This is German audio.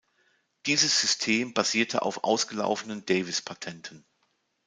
Dieses System basierte auf ausgelaufenen Davis-Patenten.